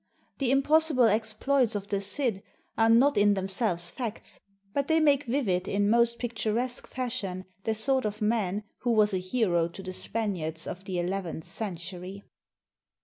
The impossible exploits of the Cid are not in themselves facts, but they make vivid in most picturesque fashion the sort of man who was a hero to the Spaniards of the eleventh century.